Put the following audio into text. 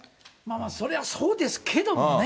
それはそうですけどもね。